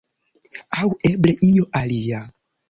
Aŭ eble io alia.